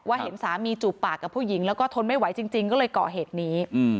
เห็นสามีจูบปากกับผู้หญิงแล้วก็ทนไม่ไหวจริงก็เลยก่อเหตุนี้